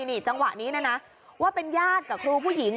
นี่จังหวะนี้นะนะว่าเป็นญาติกับครูผู้หญิง